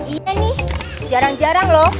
iya nih jarang jarang loh